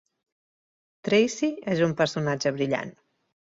Tracy és un personatge brillant.